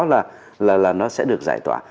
là nó sẽ được giải tỏa